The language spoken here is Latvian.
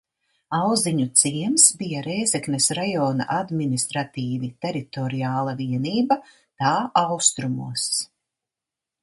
Auziņu ciems bija Rēzeknes rajona administratīvi teritoriāla vienība tā austrumos.